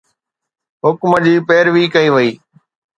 حڪم جي پيروي ڪئي وئي.